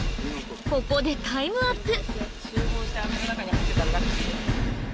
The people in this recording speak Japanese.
ここでタイムアップ